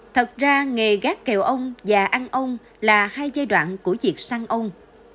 thật ra nghề gác kèo ông và ăn ông là hai giai đoạn của việc săn ông